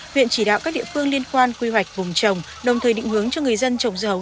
huyện chỉ đạo các địa phương liên quan quy hoạch vùng trồng đồng thời định hướng cho người dân trồng dấu